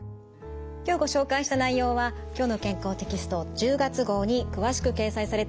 今日ご紹介した内容は「きょうの健康」テキスト１０月号に詳しく掲載されています。